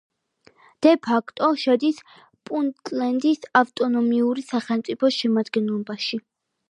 დე-ფაქტო შედის პუნტლენდის ავტონომიური სახელმწიფოს შემადგენლობაში.